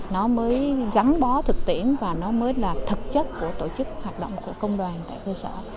nó mới gắn bó thực tiễn và nó mới là thực chất của tổ chức hoạt động của công đoàn tại cơ sở